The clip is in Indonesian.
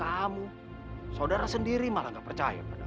kamu saudara sendiri malah gak percaya